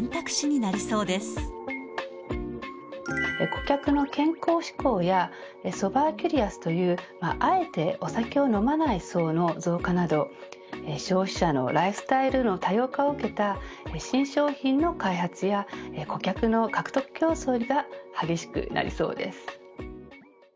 顧客の健康志向やソバーキュリアスというあえてお酒を飲まない層の増加など消費者のライフスタイルの多様化を受けた新商品の開発や顧客の獲得競争が激しくなりそうです。